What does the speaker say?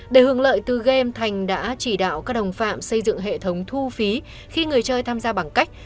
để hưởng lợi từ game thành đã chỉ đạo các đồng phạm xây dựng hệ thống thu phí khi người chơi tham gia bằng cách